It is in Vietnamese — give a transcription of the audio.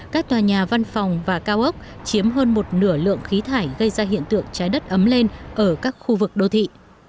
các tòa nhà văn phòng và cao ốc chiếm hơn một nửa lượng khí thải gây ra hiện tượng trái đất ấm lên ở các khu vực đô thị